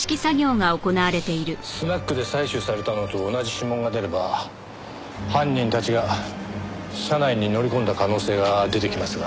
スナックで採取されたのと同じ指紋が出れば犯人たちが車内に乗り込んだ可能性が出てきますが。